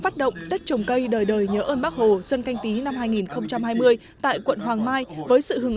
phát động tết trồng cây đời đời nhớ ơn bác hồ xuân canh tí năm hai nghìn hai mươi tại quận hoàng mai với sự hướng